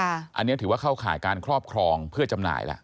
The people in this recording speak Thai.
อันนี้ถือว่าเข้าข่ายการครอบครองเพื่อจำหน่ายแล้ว